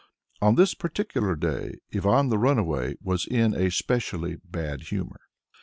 On this particular day Ivan the Runaway was in a specially bad humour.